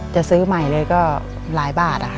จะซื้อใหม่เลยก็หลายบาทอะค่ะ